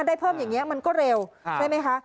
ได้เพิ่มอย่างนี้มันก็เร็วใช่ไหมคะ